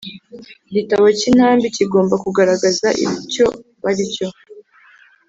Igitabo cy intambi kigomba kugaragaza icyo baricyo